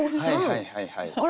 はいはいはいはい。